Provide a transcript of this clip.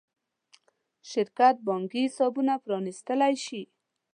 شرکت بانکي حسابونه پرانېستلی شي.